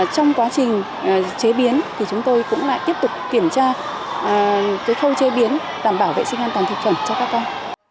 trong quá trình chế biến thì chúng tôi cũng lại tiếp tục kiểm tra khâu chế biến đảm bảo vệ sinh an toàn thực phẩm cho các con